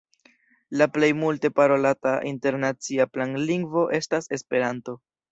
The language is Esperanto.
La plej multe parolata internacia planlingvo estas Esperanto.